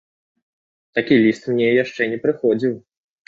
Такі ліст мне яшчэ не прыходзіў.